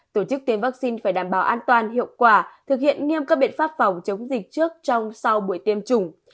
tổ chức tiêm vaccine phải đảm bảo an toàn hiệu quả thực hiện nghiêm các biện pháp phòng chống dịch trước trong sau buổi tiêm chủng